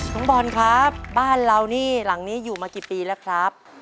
น้องบอลครับบ้านเรานี่หลังนี้อยู่มากี่ปีแล้วครับ